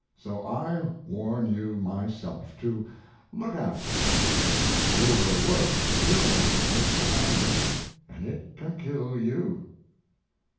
So I warn you myself to look after that. Overwork killed Mr. Langdon and it can kill you.